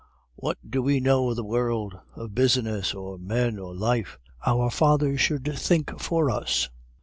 What do we know of the world, of business, or men, or life? Our fathers should think for us!